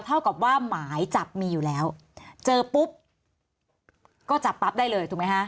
เท่ากับว่าหมายจับมีอยู่แล้วเจอปุ๊บก็จับปั๊บได้เลยถูกไหมฮะ